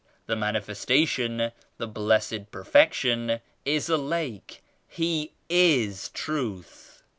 The Mani festation, the Blessed Perfection is a lake. He is Truth."